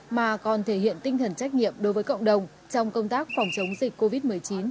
mà còn thể hiện tinh thần trách nhiệm đối với cộng đồng trong công tác phòng chống dịch covid một mươi chín